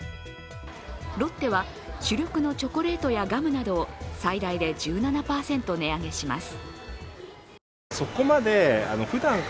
ロッテは、主力のチョコレートやガムなどを最大で１７％値上げします。